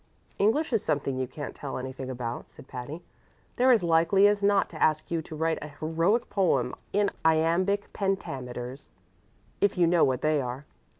"English is something you can't tell anything about," said Patty. "They're as likely as not to ask you to write a heroic poem in iambic pentameters, if you know what they are.